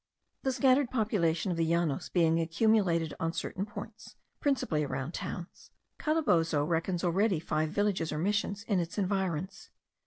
The scattered population of the Llanos being accumulated on certain points, principally around towns, Calabozo reckons already five villages or missions in its environs.